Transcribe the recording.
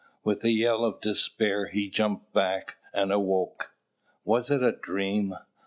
With a yell of despair he jumped back and awoke. "Was it a dream?"